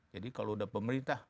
jadi kalau sudah pemerintah